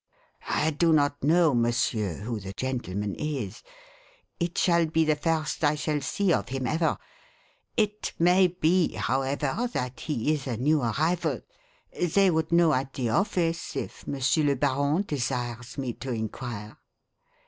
"I do not know, Monsieur, who the gentleman is. It shall be the first I shall see of him ever. It may be, however, that he is a new arrival. They would know at the office, if Monsieur le Baron desires me to inquire."